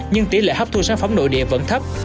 nhưng tỷ lệ hấp thu sản phẩm nội địa vẫn thấp